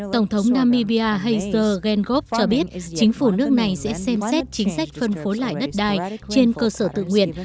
tổng thống namibia hazel genghob cho biết chính phủ nước này sẽ xem xét chính sách phân phối lại đất đai trên cơ sở tự nguyện